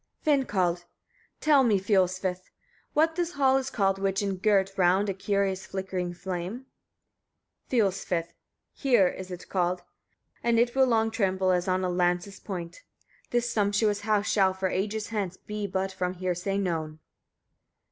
Vindkald. 32. Tell me, Fiolsvith! etc., what this hall is called, which is girt round with a curious flickering flame? Fiolsvith. 33. Hyr it is called, and it will long tremble as on a lance's point. This sumptuous house shall, for ages hence, be but from hearsay known.